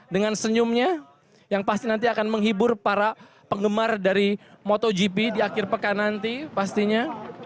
dengan senyumnya yang pasti nanti akan menghibur para penggemar dari motogp di akhir pekan nanti pastinya